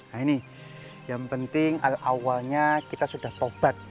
nah ini yang penting awalnya kita sudah tobat